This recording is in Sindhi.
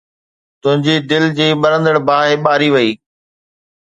تنهنجي دل جي ٻرندڙ باهه ٻاري وئي